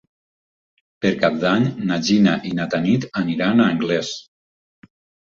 Per Cap d'Any na Gina i na Tanit aniran a Anglès.